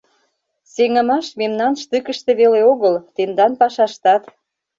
Сеҥымаш мемнан штыкыште веле огыл, тендан пашаштат.